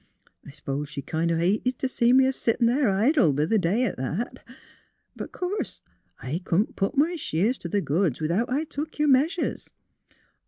I s'pose she kind o* hated to see me a settin' there idle, b' th' day at that. But o' course I couldn't put m' shears t' th' goods without I took your measures.